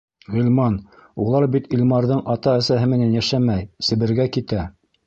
Ғилман, улар бит Илмарҙың ата-әсәһе менән йәшәмәй, Себергә китә.